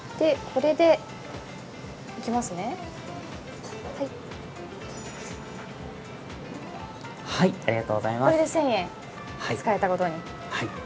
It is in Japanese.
これで１０００円、使えたことに。